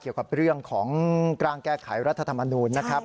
เกี่ยวกับเรื่องของร่างแก้ไขรัฐธรรมนูญนะครับ